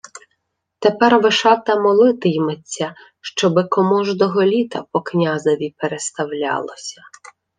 — Тепер Вишата молити-йметься, щоби комождого літа по князеві переставлялося.